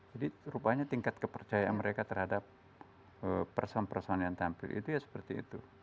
jadi rupanya tingkat kepercayaan mereka terhadap person person yang tampil itu ya seperti itu